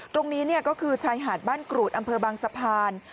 ตรงนี้ก็คือชายหาดบ้านกรูดอำเภอบางสะพาน